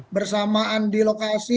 bersamaan di lokasi